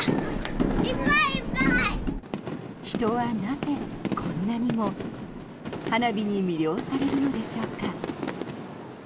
人はなぜこんなにも花火に魅了されるのでしょうか。